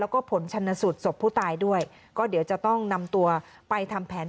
แล้วก็ผลชนสูตรศพผู้ตายด้วยก็เดี๋ยวจะต้องนำตัวไปทำแผน